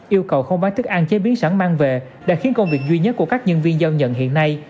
yêu cầu không bán thức ăn chế biến sẵn mang về đã khiến công việc duy nhất của các nhân viên giao nhận hiện nay